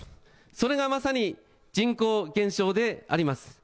それがまさに人口減少であります。